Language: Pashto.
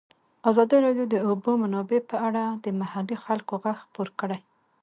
ازادي راډیو د د اوبو منابع په اړه د محلي خلکو غږ خپور کړی.